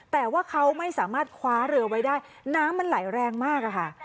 แต่ว่าเขาไม่สามารถคว้าเรือไว้ได้น้ำมันไหลแรงมากอะค่ะ